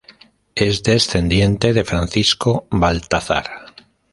Es descendiente de Francisco Baltazar.